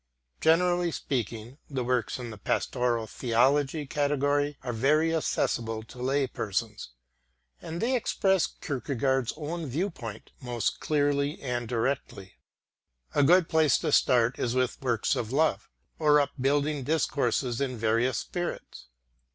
Generally speaking, the works in the pastoral theology category are very accessible to lay persons, and they express Kierkegaard's own viewpoint most clearly and directly. A good place to start is with Works of Love or Upbuilding Discourses in Various Spirits.